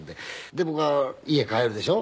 で僕が家帰るでしょ。